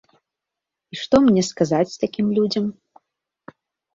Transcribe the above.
І што мне сказаць такім людзям?